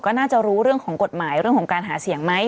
ก็น่าจะรู้เรื่องของกฎหมายเรื่องของการหาเสียงไหม